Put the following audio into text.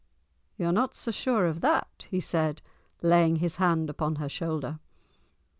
"You are not so sure of that," he said, laying his hand upon her shoulder.